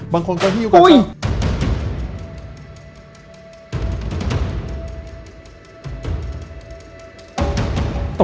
บางคนก็อยู่กันก่อน